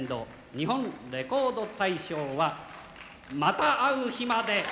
日本レコード大賞は「また逢う日まで」